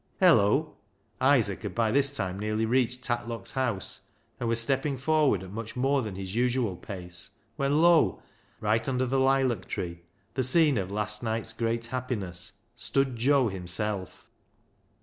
Hello ! Isaac had by this time nearly reached Tatlock's house, and was stepping forward at much more than his usual pace, when lo ! right under the lilac tree, the scene of last night's great happiness, stood Joe himself.